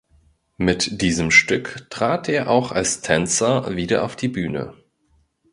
Mit diesem Stück trat er auch als Tänzer wieder auf die Bühne.